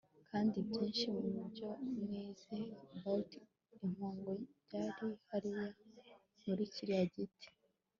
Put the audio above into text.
kandi ibyinshi mubyo nize 'bout impongo byari hariya muri kiriya giti